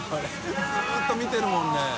ずっと見てるもんね